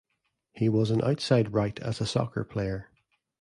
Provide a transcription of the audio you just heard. He was an outside right as a soccer player.